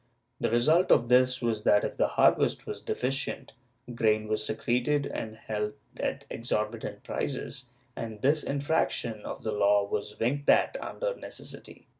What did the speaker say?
The result of this was that if the harvest was deficient, grain was secreted and held at exorbitant prices and this infraction of the law was winked at under necessity.